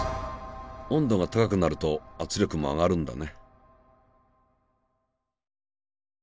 温度が高くなると圧力も上がるんだね。